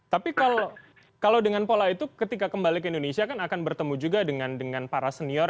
tapi kalau dengan pola itu ketika kembali ke indonesia kan akan bertemu juga dengan para senior